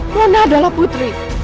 mona adalah putri